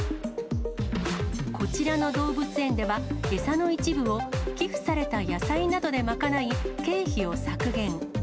こちらの動物園では、餌の一部を寄付された野菜などで賄い、経費を削減。